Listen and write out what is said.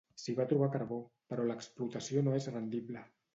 S'hi va trobar carbó però l'explotació no és rendible.